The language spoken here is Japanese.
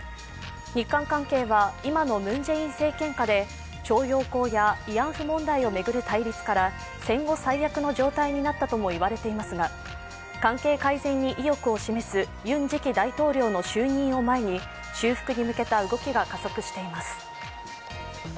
日韓関係は今のムン・ジェイン政権下で徴用工や慰安婦問題を巡る対立から戦後最悪の状態になったとも言われていますが、関係改善に意欲を示すユン次期大統領の就任を前に、修復に向けた動きが加速しています。